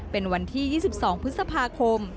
เป็นวันที่๒๒พฤษภาคม